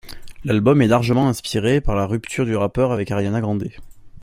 L'album est largement inspiré par la rupture du rappeur avec Ariana Grande.